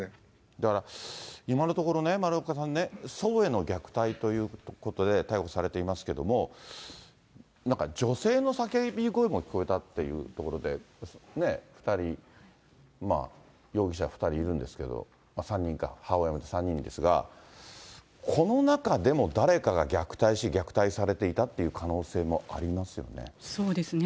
だから、今のところね、丸岡さんね、祖母への虐待ということで逮捕されていますけれども、なんか女性の叫び声も聞こえたっていうところで、ね、２人、容疑者２人いるんですけれども、３人か、母親も含めて３人ですが、この中でも誰かが虐待し虐待されていたっていう可能性もありますそうですね。